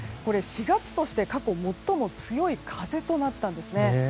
４月として、過去最も強い風となったんですね。